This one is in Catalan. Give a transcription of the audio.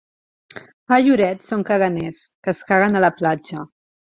A Lloret són caganers, que es caguen a la platja.